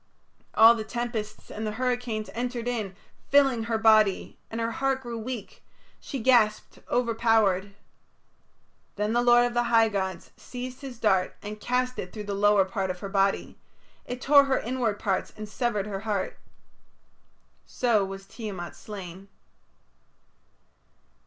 All the tempests and the hurricanes entered in, filling her body, and her heart grew weak; she gasped, overpowered. Then the lord of the high gods seized his dart and cast it through the lower part of her body; it tore her inward parts and severed her heart. So was Tiamat slain.